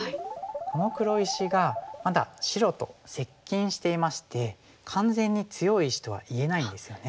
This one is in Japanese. この黒石がまだ白と接近していまして完全に強い石とは言えないんですよね。